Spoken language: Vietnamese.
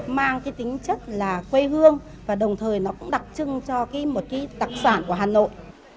mang cái tính chất là quê hương và đồng thời nó cũng đặc trưng cho cái một cái đặc sản của hà nội